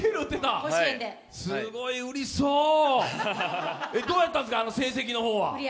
すごい売りそうどうやったんですか、成績の方は。